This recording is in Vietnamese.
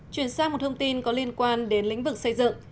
chuyển sang một thông tin có liên quan đến lĩnh vực xây dựng